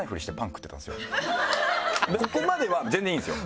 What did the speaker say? ここまでは全然いいんですよ